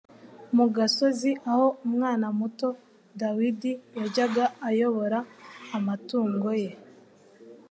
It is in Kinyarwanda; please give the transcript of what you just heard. Mu gasozi aho umwana muto Dawidi yajyaga ayobora amatungoye,